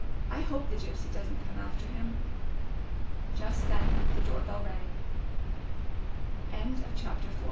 I hope the Gypsy does n't come after him." Just then the door bell rang. 56 CHAPTER V THE G